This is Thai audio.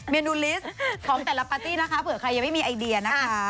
นูลิสต์ของแต่ละปาร์ตี้นะคะเผื่อใครยังไม่มีไอเดียนะคะ